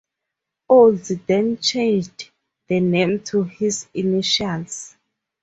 Olds then changed the name to his initials.